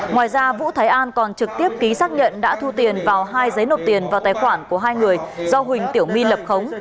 ngoài ra vũ thái an còn trực tiếp ký xác nhận đã thu tiền vào hai giấy nộp tiền vào tài khoản của hai người do huỳnh tiểu my lập khống